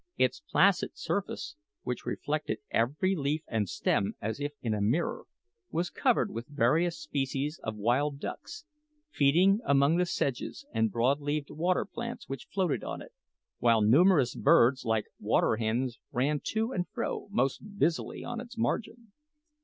Its placid surface, which reflected every leaf and stem as if in a mirror, was covered with various species of wild ducks, feeding among the sedges and broad leaved water plants which floated on it, while numerous birds like water hens ran to and fro most busily on its margin.